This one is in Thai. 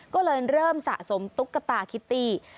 ก็เลยเริ่มสะสมตุ๊กตาคิตตี้